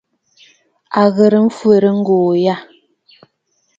À ghɨ̀rə mfwɛ̀rə ŋgu yâ.